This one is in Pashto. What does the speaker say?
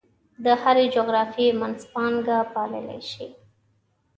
د هرې جغرافیې منځپانګه پاللی شي.